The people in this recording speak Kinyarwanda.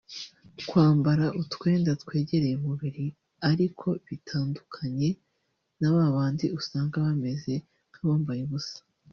kwambara utwenda twegereye umubiri ariko bitandukanye na babandi usanga bameze nk’abambaye ubusa